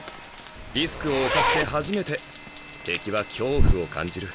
リスクを冒して初めて敵は恐怖を感じる。